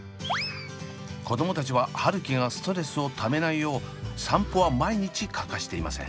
子どもたちは春輝がストレスをためないよう散歩は毎日かかしていません。